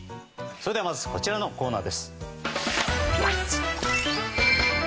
それではまずこちらのコーナーです。